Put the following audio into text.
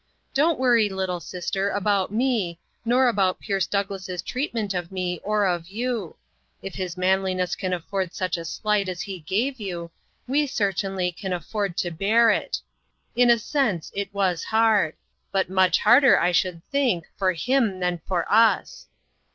Don't worry, little sister, about me, nor about Pierce Douglass' treatment of me or of you ; if his manliness can afford such a slight as he gave you, we certainly can afford to bear it. In a sense, it was hard ; but much harder, I should think, for him than for us.